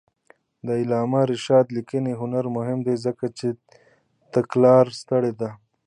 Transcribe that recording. د علامه رشاد لیکنی هنر مهم دی ځکه چې تګلاره ستره ده.